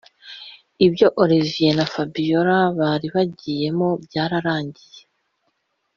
ibyo olivier na fabiora bari bagiyemo byararangiye